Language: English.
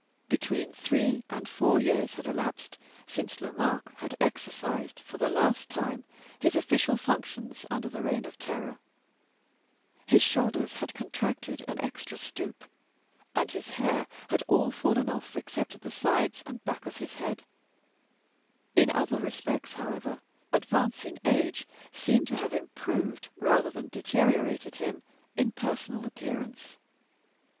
Between three and four years had elapsed since Lomaque had exercised, for the last time, his official functions under the Reign of Terror. His shoulders had contracted an extra stoop, and his hair had all fallen off, except at the sides and back of his head. In some other respects, however, advancing age seemed to have improved rather than deteriorated him in personal appearance.